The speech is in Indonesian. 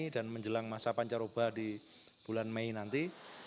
dan menjelang masa pancaroba di bulan mei nanti